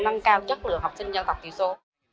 nâng cao chất lượng học sinh dân tộc thiểu số